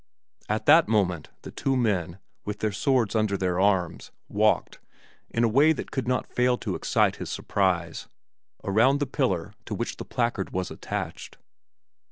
At that moment the two men, with their swords under their arms, walked, in a way that could not fail to excite his surprise, around the pillar to which the placard was attached.